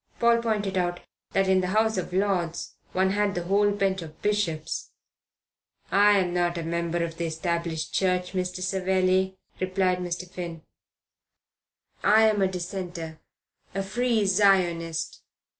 Paul pointed out that in the House of Lords one had the whole bench of Bishops. "I'm not a member of the Established Church, Mr. Savelli," replied Mr. Finn. "I'm a Dissenter a Free Zionist."